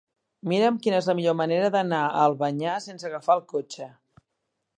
Mira'm quina és la millor manera d'anar a Albanyà sense agafar el cotxe.